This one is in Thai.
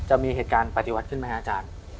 จะมีเหตุการณ์ปฏิวัติขึ้นไหมครับอาจารย์